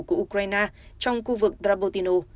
của ukraine trong khu vực drabotino